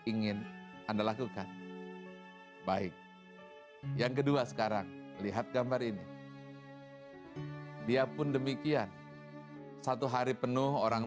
ingin anda lakukan baik yang kedua sekarang lihat gambar ini dia pun demikian satu hari penuh orang